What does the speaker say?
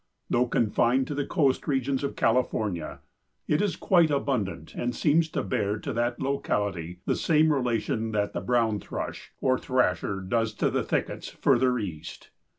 Though confined to the coast regions of California, it is quite abundant and seems to bear to that locality the same relation that the brown thrush, or thrasher, does to the thickets further east.